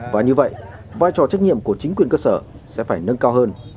và như vậy vai trò trách nhiệm của chính quyền cơ sở sẽ phải nâng cao hơn